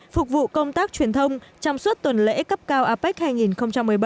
phục vụ công tác truyền thông trong suốt tuần lễ cấp cao apec hai nghìn một mươi bảy